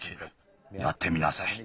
やってみなさい。